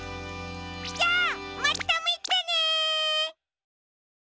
じゃあまたみてね！